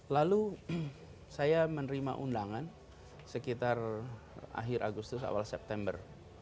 lalu saya menerima undangan sekitar akhir agustus awal september